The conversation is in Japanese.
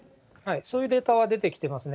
そういうデータは出てきていますよね。